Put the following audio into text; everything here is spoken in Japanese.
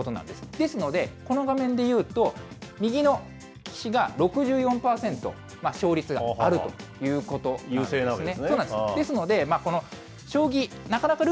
ですので、この画面でいうと、右の棋士が６４％、勝率があるということなんですね。